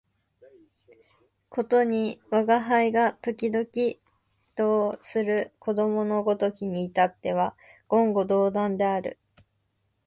ことに吾輩が時々同衾する子供のごときに至っては言語道断である